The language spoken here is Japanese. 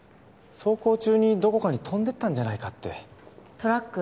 走行中にどこかに飛んでったんじゃないかってトラック